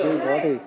chứ có thì